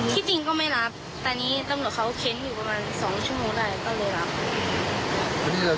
ที่จริงก็ไม่รับตอนนี้ตำรวจเขาเค้นอยู่ประมาณ๒ชั่วโมงได้ก็เลยรับ